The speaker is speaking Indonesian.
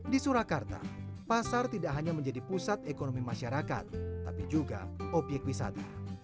di surakarta pasar tidak hanya menjadi pusat ekonomi masyarakat tapi juga obyek wisata